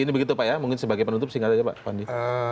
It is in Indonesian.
ini begitu pak ya mungkin sebagai penutup singkat saja pak pandi